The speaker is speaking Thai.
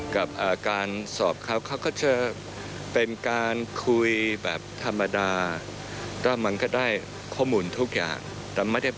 การสอบเขาก็จะเป็นการคุยจะประวัติธรรมิภาพสหรอกลับกรุงคลุมสินความปกติการถ่ายวิดีโอ